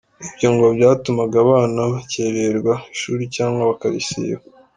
Ibyo ngo byatumaga abana bakerererwa ishuri cyangwa bakarisiba.